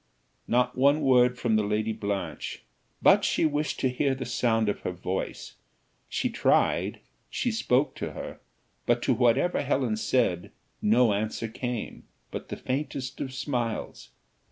Not one word from the Lady Blanche; but she wished to hear the sound of her voice. She tried she spoke to her; but to whatever Helen said, no answer came, but the sweetest of smiles.